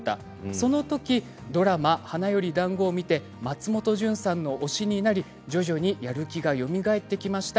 そのときドラマ「花より男子」を見て松本潤さんの推しになり徐々にやる気がよみがえってきました。